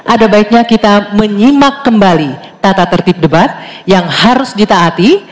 ada baiknya kita menyimak kembali tata tertib debat yang harus ditaati